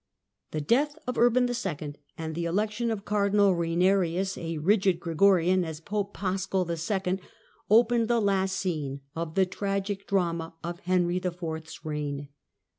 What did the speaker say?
The death of Urban II. and the election of Cardinal Eainerius, a rigid Gregorian, as Pope Paschal II., opened the last scene of the tragic drama of Henry IV.'s reign.